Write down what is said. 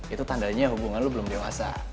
itu tandanya hubungan lu belum dewasa